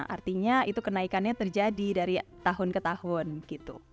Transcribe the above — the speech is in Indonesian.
artinya itu kenaikannya terjadi dari tahun ke tahun gitu